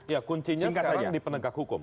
ya kuncinya sekarang di penegak hukum